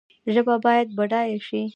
ژبه باید بډایه شي